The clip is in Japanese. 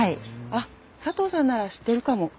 あっ佐藤さんなら知ってるかも。